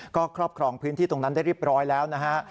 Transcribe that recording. ก็ครอบครองพื้นที่ตรงนั้นได้เรียบร้อยแล้วนะฮะ